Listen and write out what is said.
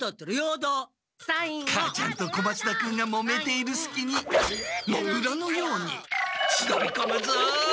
母ちゃんと小松田君がもめているすきにモグラのように忍びこむぞ！